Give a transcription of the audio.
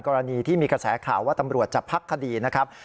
กรณีที่มีกระแสข่าวว่าตำรวจจะพักคดีนะครับ